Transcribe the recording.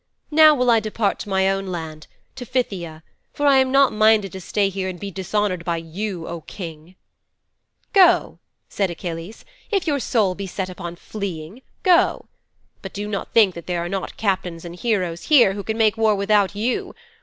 Now will I depart to my own land, to Phthia, for I am not minded to stay here and be dishonoured by you, O King."' '"Go," said Agamemnon, "if your soul be set upon fleeing, go. But do not think that there are not captains and heroes here who can make war without you.